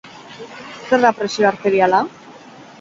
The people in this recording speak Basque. Zer da presio arteriala?